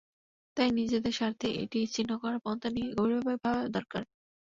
তাই নিজেদের স্বার্থেই এটি ছিন্ন করার পন্থা নিয়ে গভীরভাবে ভাবা দরকার।